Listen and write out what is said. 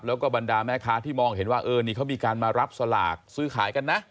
แล้วก็บรรดาแม่ค้าที่มองเห็นว่าเออนี่เขามีการมารับสลากซื้อขายกันนะ